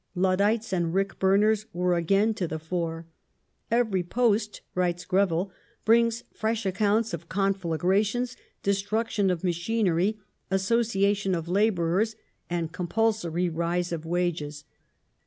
Luddites and rick burners were again to the fore. " Every post," writes Greville, " brings fresh accounts of conflagrations, destruction of machinery, association of labourers, and compulsory rise of wages.